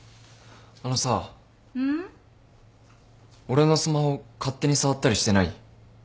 俺のスマホ勝手に触ったりしてない？